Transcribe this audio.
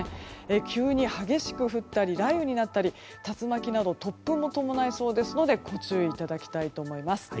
急に激しく降ったり雷雨になったり竜巻など突風も伴いそうですのでご注意いただきたいと思います。